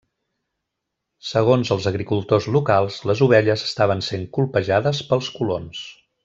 Segons els agricultors locals, les ovelles estaven sent colpejades pels colons.